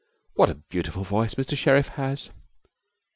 'What a beautiful voice Mr Sherriff has!'